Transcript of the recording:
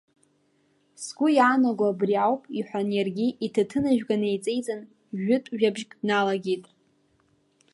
Сгәы иаанаго абри ауп, — иҳәан иаргьы, иҭаҭынжәга неиҵеиҵан, жәытә жәабжьк дналагеит…